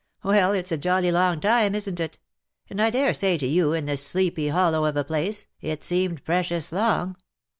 Well, it's a jolly long time, isn't it ? and I dare say to you, in this sleepy hollow of a place, it seemed precious long.